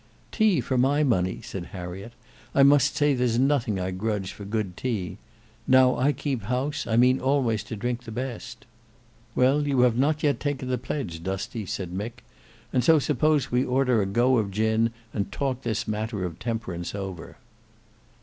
"Tea for my money," said Harriet; "I must say there's nothing I grudge for good tea. Now I keep house, I mean always to drink the best." "Well, you have not yet taken the pledge, Dusty," said Mick: "and so suppose we order a go of gin and talk this matter of temperance over."